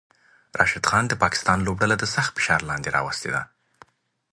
راشد خان د پاکستان لوبډله د سخت فشار لاندې راوستی ده